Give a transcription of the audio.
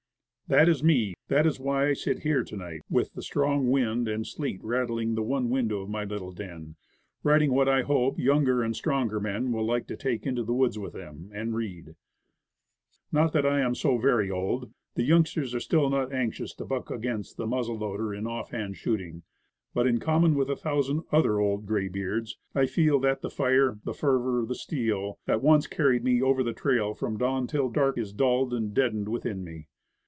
That is me. That is why I sit here to night with the north wind and sleet rattling the one win dow of my little den writing what I hope younger and stronger men will like to take into the woods with them, and read. Not that I am so very old. The youngsters are still not anxious to buck against Good Night 149 the fliuzzleloader in off hand shooting. But, in com mon with a thousand other old graybeards, I feel that the fire, the fervor, the steel, that once carried me over the trail from dawn until dark, is dulled and deadened within me.